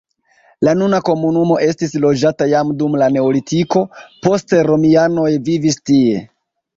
La nuna komunumo estis loĝata jam dum la neolitiko, poste romianoj vivis tie.